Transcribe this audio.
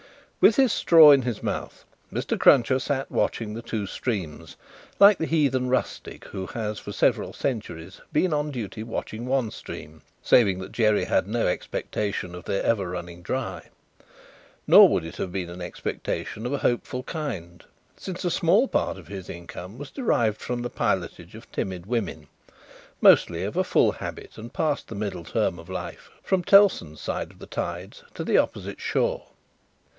With his straw in his mouth, Mr. Cruncher sat watching the two streams, like the heathen rustic who has for several centuries been on duty watching one stream saving that Jerry had no expectation of their ever running dry. Nor would it have been an expectation of a hopeful kind, since a small part of his income was derived from the pilotage of timid women (mostly of a full habit and past the middle term of life) from Tellson's side of the tides to the opposite shore.